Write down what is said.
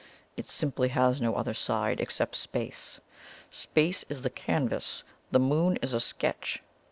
It simply has NO other side, except space. Space is the canvas the Moon is a sketch.